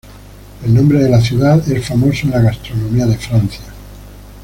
El nombre de la ciudad es famoso en la gastronomía de Francia.